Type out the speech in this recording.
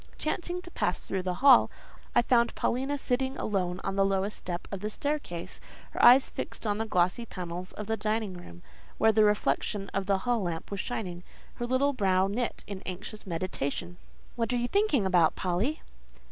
Chancing to pass through the hall, I found Paulina sitting alone on the lowest step of the staircase, her eyes fixed on the glossy panels of the dining room door, where the reflection of the hall lamp was shining; her little brow knit in anxious, meditation. "What are you thinking about, Polly?"